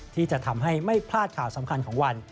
ที่จะทำให้ไม่พลาดข่าวสำคัญของวัน